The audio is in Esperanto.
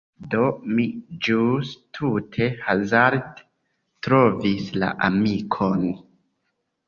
Do, mi ĵus tute hazarde trovis la amikon...